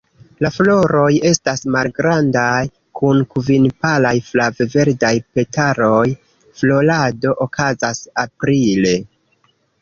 La floroj estas malgrandaj, kun kvin palaj flav-verdaj petaloj; florado okazas aprile.